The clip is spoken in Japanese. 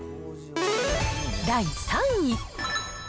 第３位。